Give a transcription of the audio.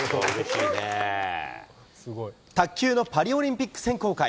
卓球のパリオリンピック選考会。